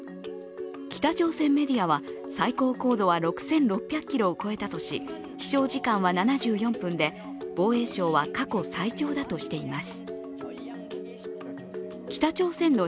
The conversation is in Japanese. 北朝鮮メディアは、最高高度は６６００ｋｍを超えたとし飛しょう時間は７４分で防衛省は過去最長だとしています。